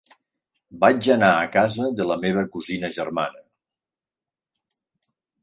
Vaig anar a casa de la meva cosina germana.